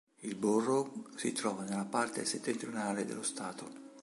Il borough si trova nella parte settentrionale dello stato.